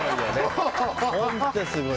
本当にすごい。